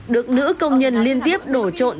được nữ công nhân liên tiếp đổ trộn